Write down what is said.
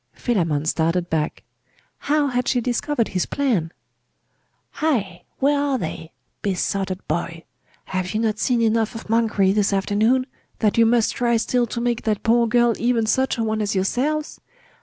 Philammon started back. How had she discovered his plan? 'Ay where are they? Besotted boy! Have you not seen enough of monkery this afternoon, that you must try still to make that poor girl even such a one as yourselves?